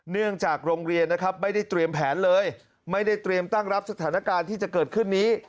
เนื่องจากโรงเรียนนะครับไม่ได้เตรียมแผนเลยไม่ได้เตรียมตั้งรับสถานการณ์ที่จะเกิดขึ้นนี้